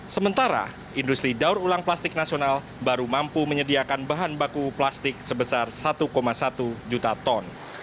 sementara industri daur ulang plastik nasional baru mampu menyediakan bahan baku plastik sebesar satu satu juta ton